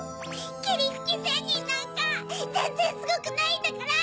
きりふきせんにんなんかぜんぜんすごくないんだから！